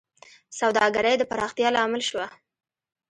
سوداګرۍ د پراختیا لامل شوه.